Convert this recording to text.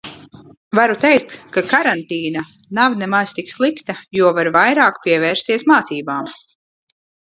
Varu teikt, ka karantīna nav nemaz tik slikta, jo var vairāk pievērsties mācībām.